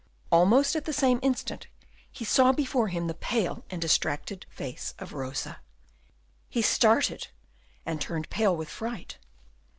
Almost at the same instant he saw before him the pale and distracted face of Rosa. He started, and turned pale with fright.